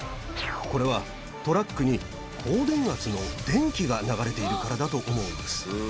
これはトラックに高電圧の電気が流れているからだと思うのです。